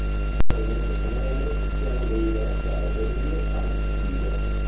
Poi, mentre sta morendo, Tiziano grida la frase "il dio Pan vive!